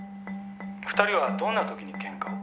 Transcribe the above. ２人はどんな時にケンカを？」